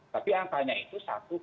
tapi angkanya itu